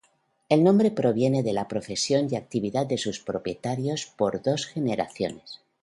El nombre proviene de la profesión y actividad de sus propietarios por dos generaciones.